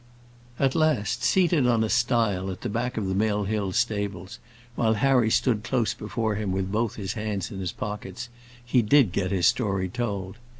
At last, seated on a stile at the back of the Mill Hill stables, while Harry stood close before him with both his hands in his pockets, he did get his story told.